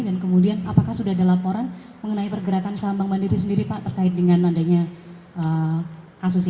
dan kemudian apakah sudah ada laporan mengenai pergerakan saham bank mandiri sendiri pak terkait dengan adanya kasus ini